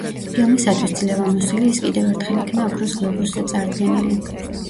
ფილმისათვის „ძლევამოსილი“ ის კიდევ ერთხელ იქნა ოქროს გლობუსზე წარდგენილი.